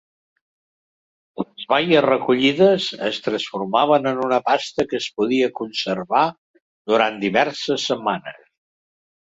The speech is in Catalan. Les baies recollides es transformaven en una pasta que es podia conservar durant diverses setmanes.